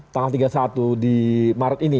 tanggal tiga puluh satu di maret ini